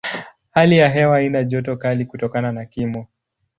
Hali ya hewa haina joto kali kutokana na kimo.